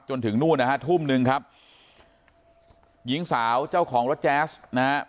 จนถึงนู่นนะฮะทุ่มหนึ่งครับหญิงสาวเจ้าของรถแจ๊สนะฮะ